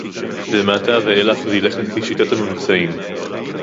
ומעתה ואילך זה ילך לפי שיטת הממוצעים